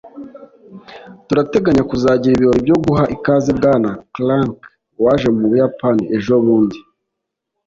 turateganya kuzagira ibirori byo guha ikaze bwana clark waje mu buyapani ejobundi